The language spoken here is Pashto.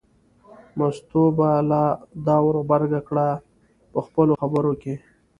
مستو به لا دا ور غبرګه کړه په خپلو خبرو کې.